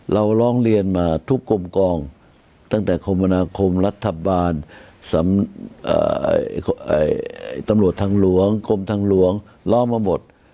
ร้องเรียนมาทุกกลมกองตั้งแต่คมนาคมรัฐบาลตำรวจทางหลวงกรมทางหลวงล้อมาหมด